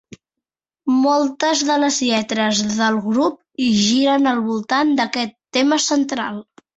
Moltes de les lletres del grup giren al voltant d'aquest tema central.